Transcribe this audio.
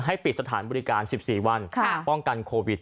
ปิดสถานบริการ๑๔วันป้องกันโควิด